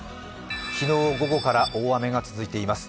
昨日午後から大雨が続いています。